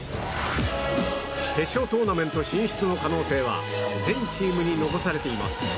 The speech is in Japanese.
決勝トーナメント進出の可能性は全チームに残されています。